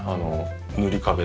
塗り壁で。